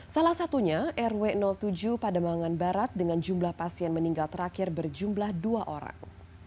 salah satunya rw tujuh pademangan barat dengan jumlah pasien meninggal terakhir berjumlah dua orang